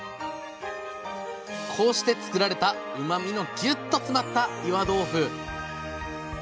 こうして作られたうまみのギュッと詰まった岩豆腐！